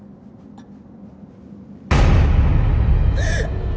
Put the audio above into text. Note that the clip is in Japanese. あっ。